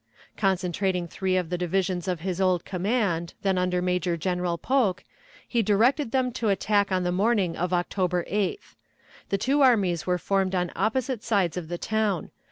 Concentrating three of the divisions of his old command, then under Major General Polk, he directed him to attack on the morning of October 8th. The two armies were formed on opposite sides of the town.